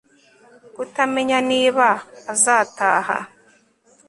kutamenya niba azataha